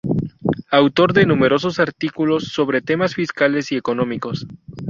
Autor de numerosos artículos sobre temas fiscales y económicos